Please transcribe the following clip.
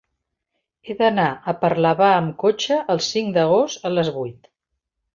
He d'anar a Parlavà amb cotxe el cinc d'agost a les vuit.